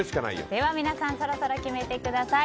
では皆さんそろそろ決めてください。